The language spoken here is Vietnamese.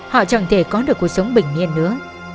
họ chẳng thể có được cuộc sống bình yên nữa